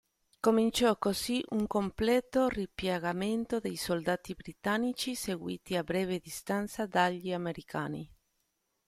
Cominciò così un completo ripiegamento dei soldati britannici, seguiti a breve distanza dagli americani.